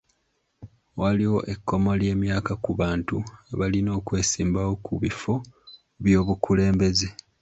Waliwo ekkomo ly'emyaka ku bantu abalina okwesimbawo ku bifo by'obukulembeze..